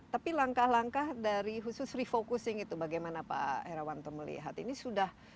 tapi langkah langkah dari khusus refocusing itu bagaimana pak herawanto melihat ini sudah